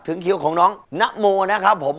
ถึงคิวของน้องน้ำโมนะครับผม